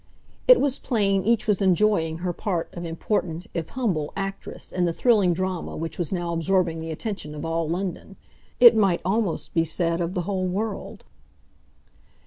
It was plain each was enjoying her part of important, if humble, actress in the thrilling drama which was now absorbing the attention of all London—it might almost be said of the whole world.